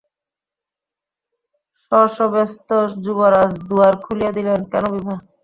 শশব্যস্ত যুবরাজ দুয়ার খুলিয়া দিলেন, কেন বিভা?